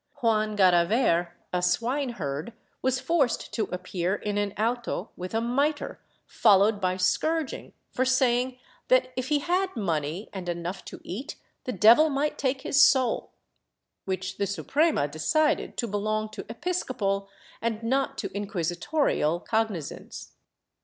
Juan Garaver, a swineherd, was forced to appear in an auto with a mitre, followed by scourging, for saying that if he had money and enough to eat, the devil might take his soul — which the Suprema decided to belong to episcopal and not to inquisitorial cognizance.